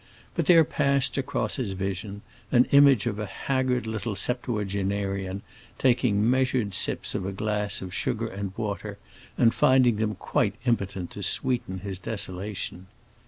But there passed across his vision an image of a haggard little septuagenarian taking measured sips of a glass of sugar and water and finding them quite impotent to sweeten his desolation.